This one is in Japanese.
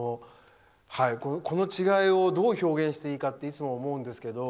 この違いをどう表現していいかといつも思うんですけど。